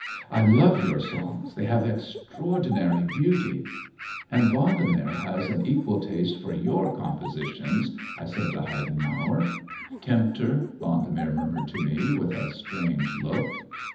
" I love your songs — they have extraor dinary beauty." " And Vendemer has an equal taste for your compositions," I said to Heidenmauer. " Tempter !" Vendemer murmured to me, with a strange look.